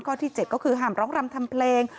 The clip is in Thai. ที่๗ก็คือห้ามร้องรำทำเพลง